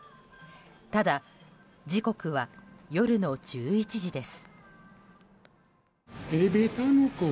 ただ、時刻は夜の１１時です。